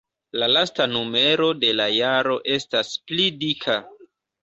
La lasta numero de la jaro estas pli dika.